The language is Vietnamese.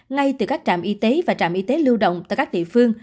ngay từ các trạm y tế và trạm y tế lưu động tại các địa phương